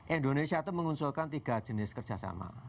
indonesia itu mengusulkan tiga jenis kerjasama